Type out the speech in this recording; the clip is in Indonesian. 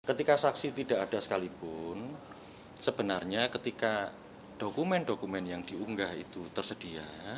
ketika saksi tidak ada sekalipun sebenarnya ketika dokumen dokumen yang diunggah itu tersedia